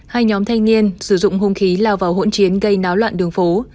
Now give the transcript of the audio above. hai nhóm thanh niên sử dụng hung khí lao vào hỗn chiến gây náo loạn đường phố